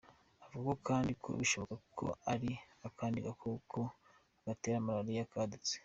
Avuga kandi ko bishoboka ko ari akandi gakoko gatera Malariya kadutse.